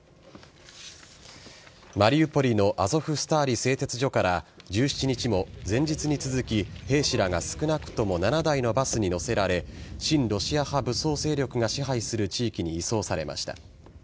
マリウポリのアゾフスターリ製鉄所から１７日も前日に続き、兵士らが少なくとも７台のバスに乗せられ親ロシア派武装勢力が支配する地域に移送されました。